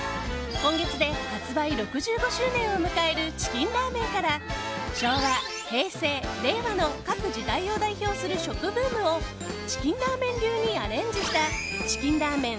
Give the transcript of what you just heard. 今月で発売６５周年を迎えるチキンラーメンから昭和、平成、令和の各時代を代表する食ブームをチキンラーメン流にアレンジしたチキンラーメン